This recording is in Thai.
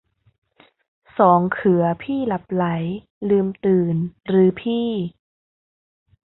สองเขือพี่หลับใหล ลืมตื่น ฤๅพี่